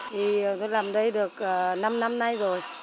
thì tôi làm đây được năm năm nay rồi